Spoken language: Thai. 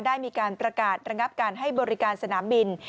ได้มีการประกาศระงับการให้บริการสนามบิน